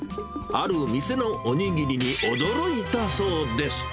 ある店のおにぎりに驚いたそうです。